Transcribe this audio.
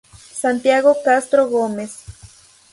Santiago Castro-Gómez.